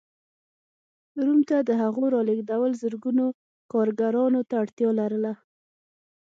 روم ته د هغو رالېږدول زرګونو کارګرانو ته اړتیا لرله.